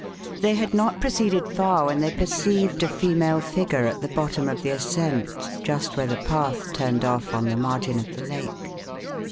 They had not proceeded far when they perceived a female figure at the bottom of the ascent, just where the path turned off on the margin of the lake.